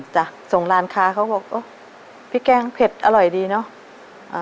จ้ะส่งร้านค้าเขาบอกโอ้พริกแกงเผ็ดอร่อยดีเนอะ